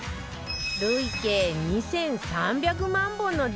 累計２３００万本の大ヒット